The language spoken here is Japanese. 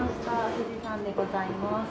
富士山でございます。